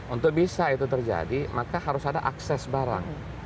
untuk bisa itu terjadi maka harus ada akses barang